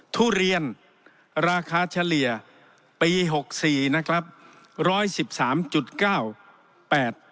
ทุเรียนราคาเฉลี่ยปีหกสี่นะครับร้อยสิบสามจุดเก้าแปด